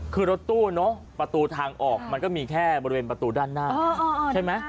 คือรถตู้เนอะประตูทางออกมันก็มีแค่บริเวณประตูด้านหน้าใช่ไหม